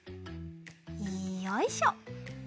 よいしょ！